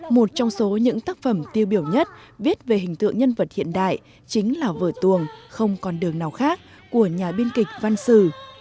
một trong số những tác phẩm tiêu biểu nhất viết về hình tượng nhân vật hiện đại chính là vở tuồng không còn đường nào khác của nhà biên kịch văn sử